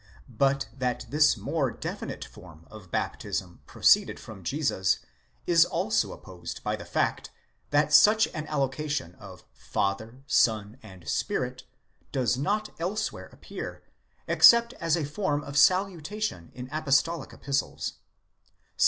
But that this more definite form of baptism proceeded from Jesus, is also opposed by the fact, that such an allocation of Father, Son, and Spirit does not elsewhere appear, except as a form of salutation in apostolic epistles (2 Cor.